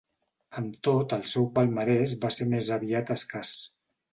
Amb tot el seu palmarès va ser més aviat escàs.